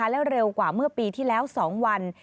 และเร็วกว่าเมื่อปีที่แล้ว๒วัน